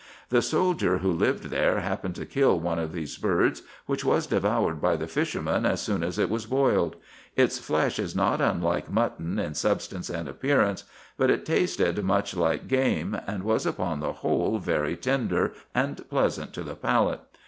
The soldier who lived there happened to kill one of these birds, which was devoured by the fishermen as soon as it was boiled: its flesh is not unlike mutton in substance and appearance, but it tasted much like game, and was upon the whole very tender, and pleasant to the palate.